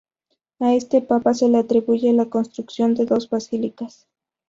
A este papa se le atribuye la construcción de dos basílicas.